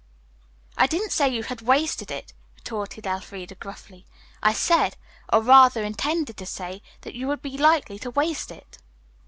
"I didn't say you had wasted it," retorted Elfreda gruffly. "I said, or rather intended to say, that you would be likely to waste it.